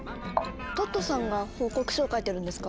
トットさんが報告書を書いてるんですか？